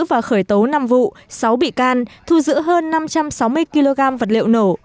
và khởi tố năm vụ sáu bị can thu giữ hơn năm trăm sáu mươi kg vật liệu nổ